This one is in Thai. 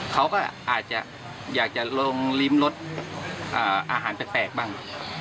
เขาก็อาจจะอยากจะลงริมรสอาหารแปลกบ้าง